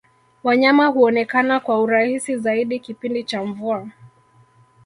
wanyama huonekana kwa urahisi zaidi kipindi cha mvua